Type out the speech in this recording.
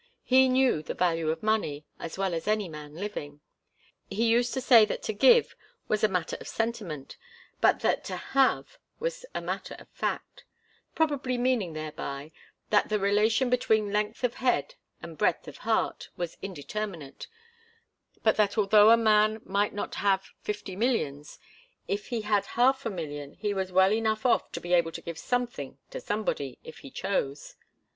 He knew the value of money as well as any man living. He used to say that to give was a matter of sentiment, but that to have was a matter of fact, probably meaning thereby that the relation between length of head and breadth of heart was indeterminate, but that although a man might not have fifty millions, if he had half a million he was well enough off to be able to give something to somebody, if he chose.